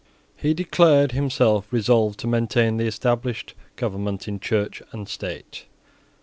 He declared himself resolved to maintain the established government in Church and State.